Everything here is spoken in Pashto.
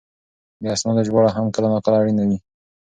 د اسنادو ژباړه هم کله ناکله اړینه وي.